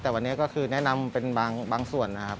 แต่วันนี้ก็คือแนะนำเป็นบางส่วนนะครับ